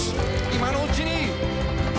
今のうちに」